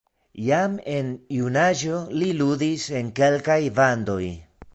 Jam en junaĝo li ludis en kelkaj bandoj.